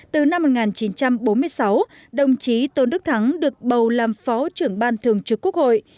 từ năm một nghìn chín trăm bốn mươi sáu đồng chí tôn đức thắng được bầu làm phó trưởng ban thường trực quốc hội